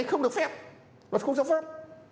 anh không được phép luật không giả pháp